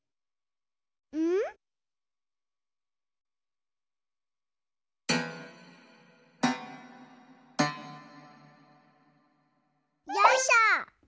うん？よいしょ！